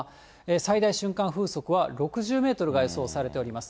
最大瞬間風速は６０メートルが予想されております。